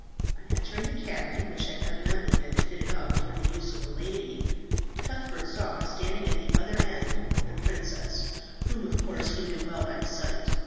On entering the cabin, which had evidently been fitted up for the use of a lady, Cuthbert saw standing at the other end the princess whom of course he knew well by sight.